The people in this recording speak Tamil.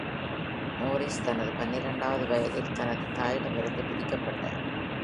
நோரிஸ் தனது பன்னிரெண்டாவது வயதில் தனது தாயிடமிருந்து பிரிக்கப்பட்டார்.